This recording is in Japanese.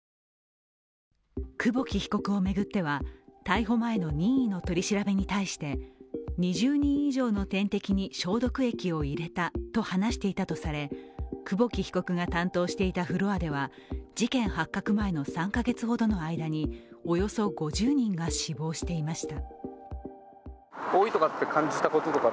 久保木被告を巡っては逮捕前の任意の取り調べに対して２０人以上の点滴に消毒液を入れたと話していたとされ久保木被告が担当していたフロアでは事件発覚前の３カ月ほどの間におよそ５０人が死亡していました。